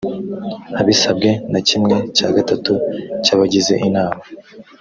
abisabwe na kimwe cya gatatu cy abagize inama